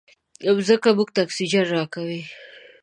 مځکه موږ ته اکسیجن راکوي.